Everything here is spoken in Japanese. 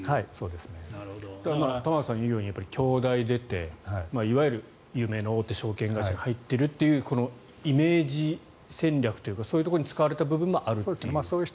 玉川さんが言うように京大を出ていわゆる有名な大手証券会社に入っているというこのイメージ戦略というかそういうところに使われた部分もあるという。